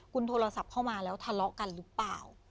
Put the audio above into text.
คุณโทรศัพท์เข้ามาแล้วทะเลาะกันหรือเปล่า